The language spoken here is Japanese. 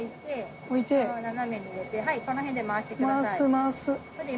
置いて竿を斜めに入れてはいこの辺で回してください。